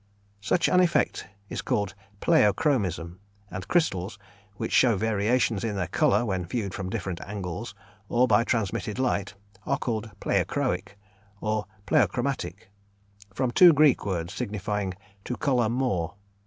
Such an effect is called pleochroism, and crystals which show variations in their colour when viewed from different angles, or by transmitted light, are called pleochroic, or pleochromatic from two Greek words signifying "to colour more."